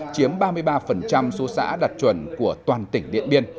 chiếm ba mươi ba số xã đạt chuẩn của toàn tỉnh điện biên